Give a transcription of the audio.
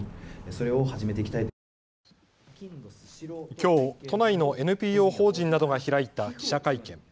きょう都内のＮＰＯ法人などが開いた記者会見。